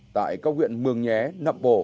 tại các huyện mường nhé nậm bồ